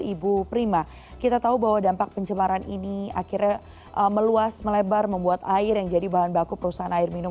ibu prima kita tahu bahwa dampak pencemaran ini akhirnya meluas melebar membuat air yang jadi bahan baku perusahaan air minum